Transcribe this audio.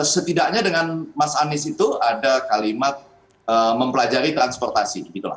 setidaknya dengan mas anies itu ada kalimat mempelajari transportasi